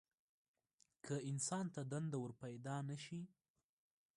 که انسان ته دنده ورپیدا نه شي.